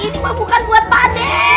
ini mah bukan buat pak d